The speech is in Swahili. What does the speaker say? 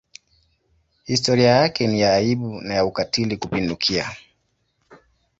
Historia yake ni ya aibu na ya ukatili kupindukia.